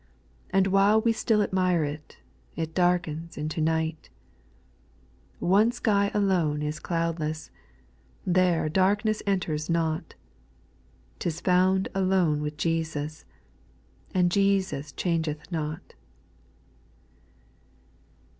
And while we still admire it. It darkens into night : One sky alone is cloudless, There darkness enters not, 'T is found alone with Jesus, — And Jesus changeth not.